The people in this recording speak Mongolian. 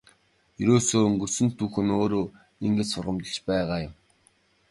Ерөөсөө өнгөрсөн түүх нь өөрөө ингэж сургамжилж байгаа юм.